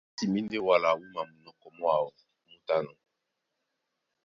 A timbí ndé wala wúma munɔkɔ mwáō mú tánɔ̄.